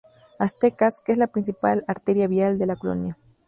Aztecas, que es la principal arteria vial de la colonia.